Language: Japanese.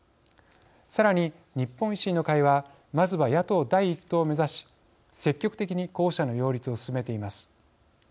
さらに、日本維新の会はまずは野党第１党を目指し積極的に候補者の擁立を進めています。